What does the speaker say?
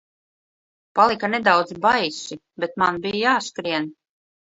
Palika nedaudz baisi, bet man bija jāskrien.